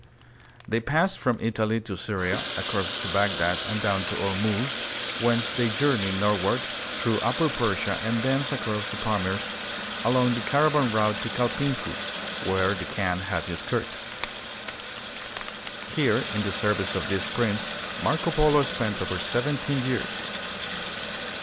They passed from Italy to Syria, across to Bagdad, and down to Ormuz, whence they journeyed northward through upper Persia and thence across the Pamirs along the caravan route to Kaipingfu, where the Kaan had his court. Here in the service of this prince Marco Polo spent over seventeen years.